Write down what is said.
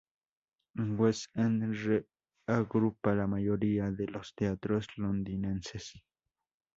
El West End reagrupa la mayoría de los teatros londinenses.